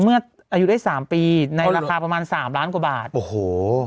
เมื่ออายุได้สามปีในราคาประมาณสามล้านกว่าบาทโอ้โห